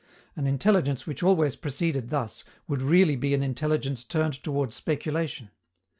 An intelligence which always proceeded thus would really be an intelligence turned toward speculation.